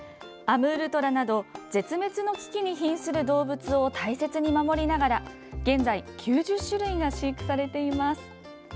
アムールトラなど絶滅の危機にひんする動物を大切に守りながら現在９０種類が飼育されています。